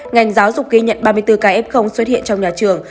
ngành giáo dục ghi nhận ba mươi bốn kf xuất hiện trong nhà trường